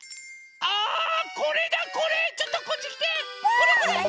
これこれ！